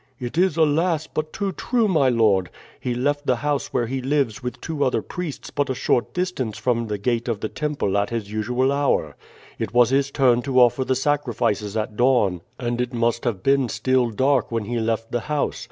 "It is, alas! but too true, my lord. He left the house where he lives with two other priests but a short distance from the gate of the temple at his usual hour. It was his turn to offer the sacrifices at dawn, and it must have been still dark when he left the house.